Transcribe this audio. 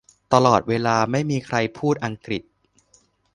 ตลอดเวลาไม่มีใครพูดอังกฤษ